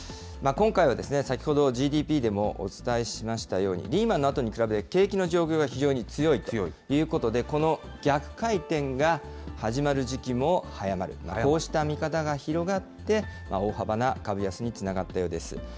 今回は先ほど、ＧＤＰでもお伝えしましたように、リーマンのあとに比べて景気の状況が非常に強いということで、この逆回転が始まる時期も早まる、こうした見方が広がって、大幅な株安につながったようです。